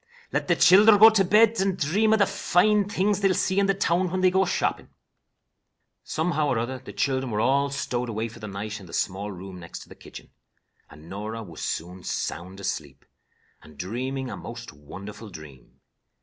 Let the childer go to bed and dream of the fine things they will see in the town when they go shopping." Somehow or other the children were all stowed away for the night in the small room next the kitchen, and Norah was soon sound asleep, and dreaming a most wonderful dream.